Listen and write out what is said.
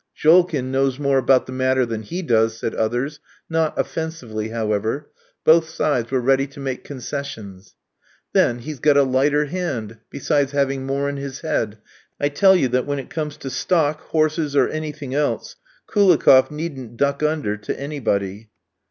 "Jolkin knows more about the matter than he does," said others; not offensively, however. Both sides were ready to make concessions. "Then, he's got a lighter hand, besides having more in his head. I tell you that when it comes to stock, horses, or anything else, Koulikoff needn't duck under to anybody."